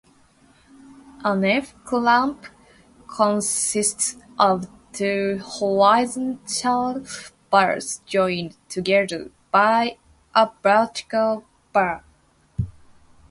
An F-clamp consists of two horizontal bars joined together by a vertical bar.